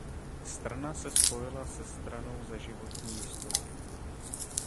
Strana se spojila se Stranou za životní jistoty.